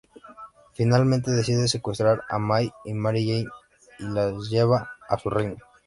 Finalmente decide secuestrar a May y Mary Jane y las lleva a su reino.